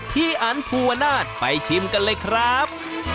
อันภูวนาศไปชิมกันเลยครับ